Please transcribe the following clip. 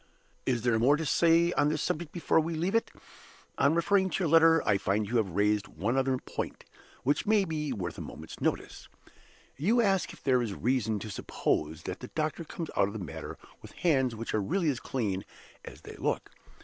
"Is there more to say on this subject before we leave it? On referring to your letter, I find you have raised one other point, which may be worth a moment's notice. "You ask if there is reason to suppose that the doctor comes out of the matter with hands which are really as clean as they look?